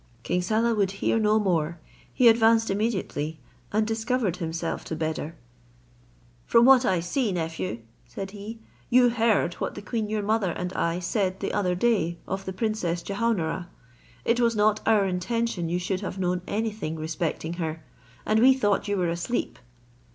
King Saleh would hear no more; he advanced immediately, and discovered himself to Beder. "From what I see, nephew," said he, "you heard what the queen your mother and I said the other day of the princess Jehaun ara. It was not our intention you should have known any thing respecting her, and we thought you were asleep."